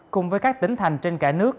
cùng với các tỉnh thành trên cả nước